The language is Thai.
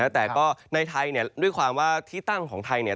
แต่ก็ในไทยด้วยความว่าที่ตั้งของไทย